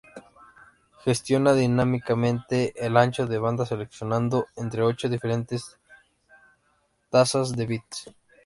Gestiona dinámicamente el ancho de banda seleccionando entre ocho diferentes tasas de bits.